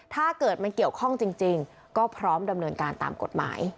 ถ้าเกิดมันเกี่ยวข้องจริงก็พร้อมดำเนินการตามกฎหมาย